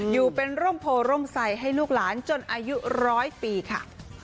อยู่เป็นร่มโพร่มใสให้ลูกหลานจนอายุร้อยปีค่ะ